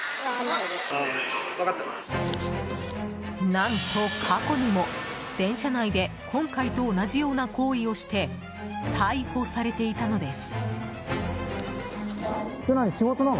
何と、過去にも電車内で今回と同じような行為をして逮捕されていたのです。